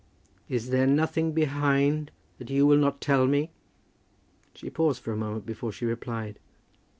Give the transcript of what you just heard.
"Is there nothing behind, that you will not tell me?" She paused for a moment before she replied.